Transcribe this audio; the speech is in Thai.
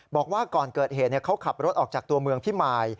บอกว่าก่อนเกิดเหตุเขาขับรถออกจากตัวเมืองพิมาย